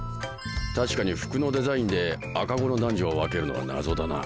確かに服のデザインで赤子の男女を分けるのは謎だな。